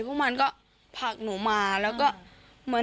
พวกมันก็ผลักหนูมาแล้วก็เหมือน